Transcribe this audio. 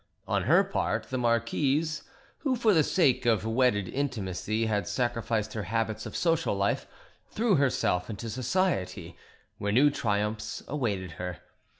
On her part, the marquise, who for the sake of wedded intimacy had sacrificed her habits of social life, threw herself into society, where new triumphs awaited her.